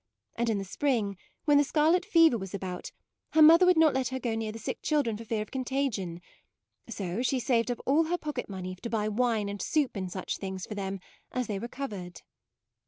And in the spring, when the scarlet fever was about, her mother would not let her go near the sick children for fear of contagion; so she saved up all her pocket money to buy wine and soup and such things for them as they recovered."